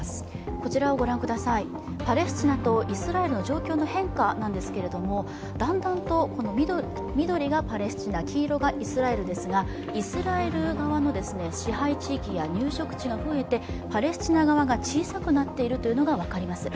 こちらをご覧ください、パレスチナとイスラエルの状況の変化なんですけれども、だんだんと、緑がパレスチナ、黄色がイスラエルですが、イスラエル側の支配地域や入植地域が増えて、パレスチナ側が小さくなっているのが分かります。